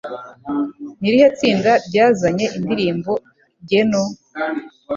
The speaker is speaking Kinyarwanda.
ni irihe tsinda ryazanye indirimbo Geno?